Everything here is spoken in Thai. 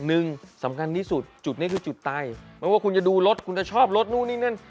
หนึ่งสำคัญที่สุดจุดนี้คือจุดตายไม่ว่าคุณจะดูรถคุณจะชอบรถนู่นนี่นั่น